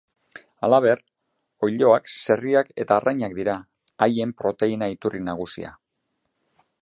Halaber, oiloak, zerriak eta arrainak dira haien proteina-iturri nagusia.